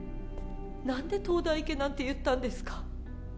何で東大行けなんて言ったんですか？